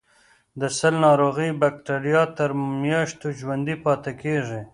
د سل ناروغۍ بکټریا تر میاشتو ژوندي پاتې کیږي.